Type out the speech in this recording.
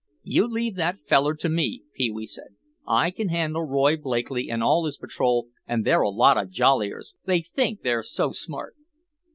"You leave that feller to me," Pee wee said. "I can handle Roy Blakeley and all his patrol and they're a lot of jolliers—they think they're so smart."